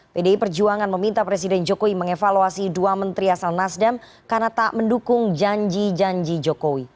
pdi perjuangan meminta presiden jokowi mengevaluasi dua menteri asal nasdem karena tak mendukung janji janji jokowi